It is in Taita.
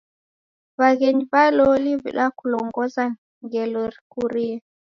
W'aghenyi w'a loli w'idakulongoza ngelo rikurie.